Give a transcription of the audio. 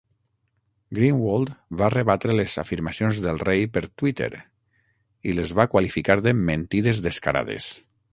Greenwald va rebatre les afirmacions del rei per Twitter i les va qualificar de "mentides descarades".